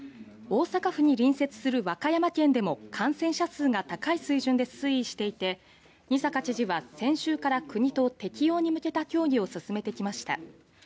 大阪府に隣接する和歌山県でも感染者数が高い水準で推移していて仁坂知事は先週から国と適用に向けた協議を進めてきました。